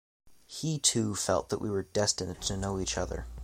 He, too, felt that we were destined to know each other.